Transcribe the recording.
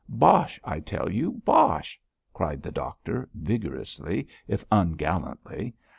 Bosh! I tell you, bosh!' cried the doctor, vigorously if ungallantly.